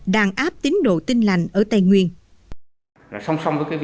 đàn áp tín đồ tinh lành ở tây nguyên